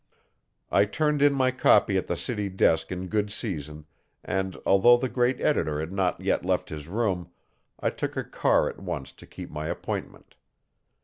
I turned in my copy at the city desk in good season, and, although the great editor had not yet left his room, I took a car at once to keep my appointment.